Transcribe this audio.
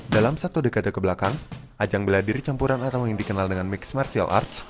dalam satu dekade kebelakang ajang beladiri campuran atau yang dikenal dengan mix martial arts